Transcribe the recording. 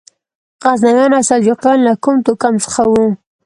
غزنویان او سلجوقیان له کوم توکم څخه وو؟